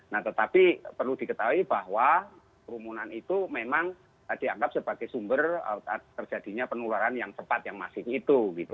nah tetapi perlu diketahui bahwa kerumunan itu memang dianggap sebagai sumber terjadinya penularan yang cepat yang masif itu